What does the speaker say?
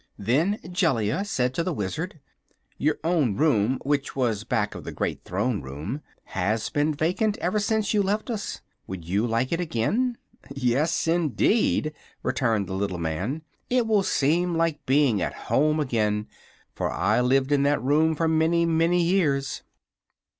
Then Jellia said to the Wizard: "Your own room which was back of the great Throne Room has been vacant ever since you left us. Would you like it again?" "Yes, indeed!" returned the little man. "It will seem like being at home again, for I lived in that room for many, many years."